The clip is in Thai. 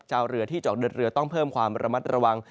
เจ้าเรือที่เจาะเดินเรือต้องเพิ่มความระมัดระวัง